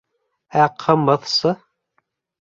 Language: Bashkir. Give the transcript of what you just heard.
Ә ҡымыҙсы?